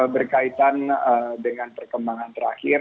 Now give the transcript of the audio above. berkaitan dengan perkembangan terakhir